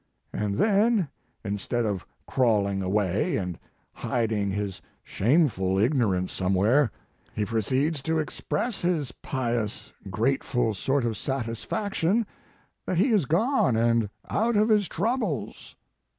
And then, instead of crawling away and hiding his shameful ignorance somewhere, he proceeds to ex press his pious, grateful sort of satisfaction that he is gone and out of his troubles